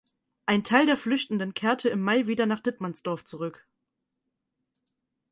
Ein Teil der Flüchtenden kehrte im Mai wieder nach Dittmannsdorf zurück.